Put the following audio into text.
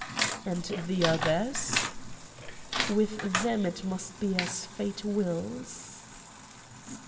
"And the others—?" "With them it must be as Fate wills."